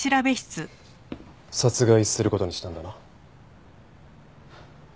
殺害する事にしたんだな。